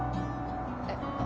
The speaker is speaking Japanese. えっ？